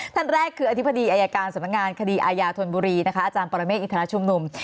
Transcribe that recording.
ท่านแรกคืออธิบดีอายการสำนักงานคดีอายาธนบุรีนะคะอาจารย์ปรเมฆอินทรชุมนุม